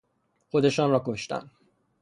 خودشان را کشتند.